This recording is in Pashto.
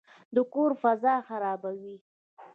د کور فضا خرابوي.